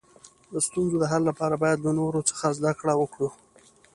د ستونزو د حل لپاره باید له نورو څخه زده کړه وکړو.